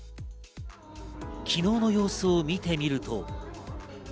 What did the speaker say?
昨日の様子を見てみると。